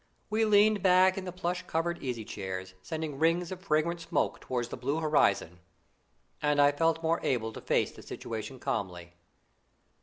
We leaned back in the plush covered easy chairs, sending rings of fragrant smoke towards the blue horizon, and I felt more able to face the situation calmly.